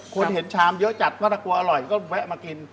คนเห็นชามเยอะจัดก็ถ้ากลัวอร่อยก็แวะมากิน